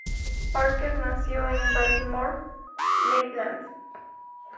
Parker nació en Baltimore, Maryland.